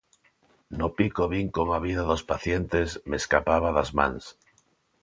No pico vin como a vida dos pacientes me escapaba das mans.